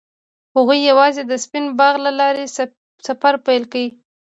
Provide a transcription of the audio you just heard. هغوی یوځای د سپین باغ له لارې سفر پیل کړ.